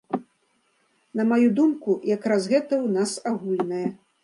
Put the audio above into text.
На маю думку якраз гэта ў нас агульнае.